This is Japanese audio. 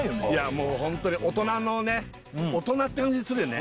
もうホントに大人のね大人って感じするよね